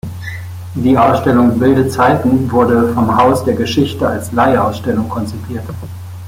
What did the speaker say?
Die Ausstellung "Wilde Zeiten" wurde vom Haus der Geschichte als Leih-Ausstellung konzipiert.